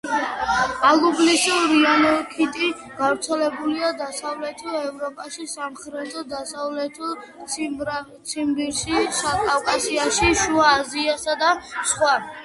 ალუბლის რინქიტი გავრცელებულია დასავლეთ ევროპაში, სამხრეთ-დასავლეთ ციმბირში, კავკასიაში, შუა აზიასა და სხვა.